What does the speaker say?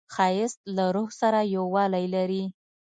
ښایست له روح سره یووالی لري